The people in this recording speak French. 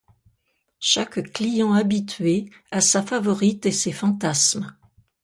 Chaque client habitué a sa favorite et ses fantasmes.